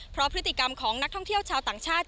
เพราะพฤติกรรมของนักท่องเที่ยวชาวต่างชาติ